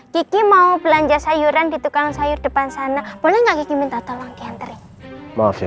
kiki mau belanja sayuran di tukang sayur depan sana boleh nggak minta tolong dianterin maaf ya